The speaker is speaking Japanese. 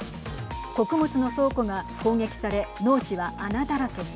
穀物の倉庫が攻撃され農地は穴だらけに。